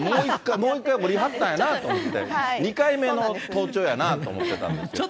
もう一回登りはったんやなと思って、２回目の登頂やなと思ってたんですよ。